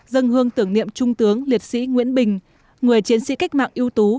dân hương tưởng niệm trung tướng liệt sĩ nguyễn bình người chiến sĩ cách mạng ưu tú